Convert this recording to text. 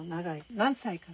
何歳から？